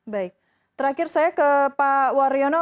baik terakhir saya ke pak waryono